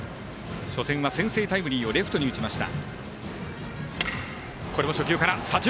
初戦は先制タイムリーをレフトに打ちました。